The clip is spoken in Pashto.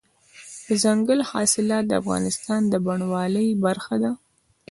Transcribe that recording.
دځنګل حاصلات د افغانستان د بڼوالۍ برخه ده.